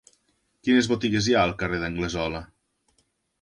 Quines botigues hi ha al carrer d'Anglesola?